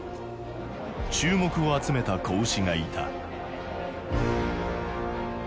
注目を集めた子牛がいた。